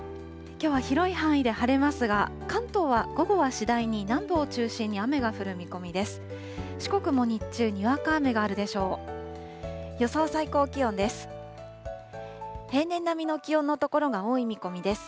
きょうは広い範囲で晴れますが、関東は午後は次第に南部を中心に雨が降る見込みです。